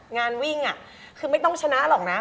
งานวิ่งคือไม่ต้องชนะหรอกนะ